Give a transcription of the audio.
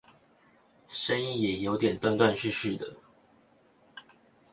聲音也有點斷斷續續的